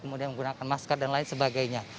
kemudian menggunakan masker dan lain sebagainya